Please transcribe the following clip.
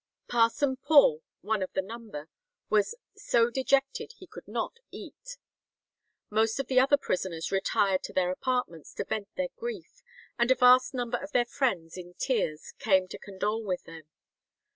Parson Paul,[144:1] one of the number, was "so dejected he could not eat;" most of the other prisoners retired to their apartments to vent their grief, and a vast number of their friends in tears came to condole with them.